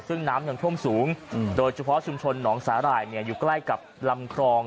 ซึ่งน้ำยังท่วมสูงโดยเฉพาะชุมชนหนองสาหร่ายอยู่ใกล้กับลำคลอง